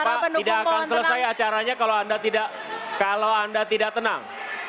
bapak bapak tidak akan selesai acaranya kalau anda tidak tenang